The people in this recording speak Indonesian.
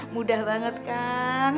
mudah banget kan